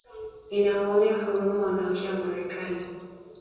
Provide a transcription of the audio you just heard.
nina waonea huruma wanawake wa Marekani